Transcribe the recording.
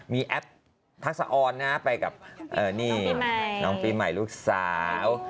มีแอปทักษะออนนะไปกับนี่น้องปีใหม่ลูกสาว